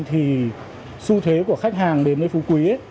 thì xu thế của khách hàng đến với phú quý